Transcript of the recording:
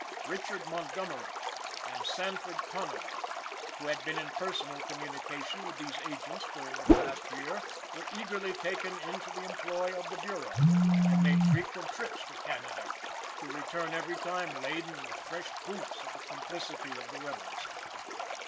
Richard Montgomery and Sanford Conover, who had been in personal communication with these agents during the past year, were eagerly taken into the employ of the Bureau, and made frequent trips to Canada, to return every time laden with fresh proofs of the complicity of the rebels.